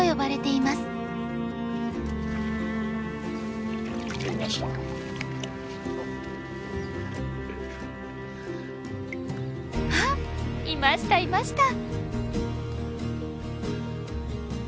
いましたいました。